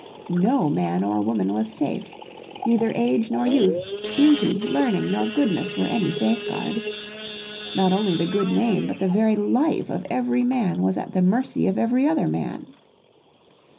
No man or woman was safe. Neither age nor youth, beauty, learning nor goodness were any safeguard. Not only the good name, but the very life of every Man was at the mercy of every other man.